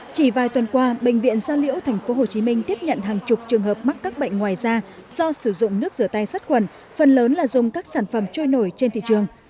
chỉ vài tuần qua bệnh viện gia liễu tp hcm tiếp nhận hàng chục trường hợp mắc các bệnh ngoài da do sử dụng nước rửa tay sát khuẩn phần lớn là dùng các sản phẩm trôi nổi trên thị trường